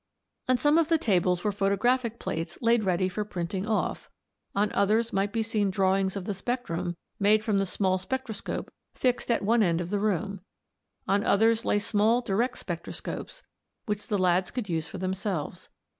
On some of the tables were photographic plates laid ready for printing off; on others might be seen drawings of the spectrum, made from the small spectroscope fixed at one end of the room; on others lay small direct spectroscopes which the lads could use for themselves.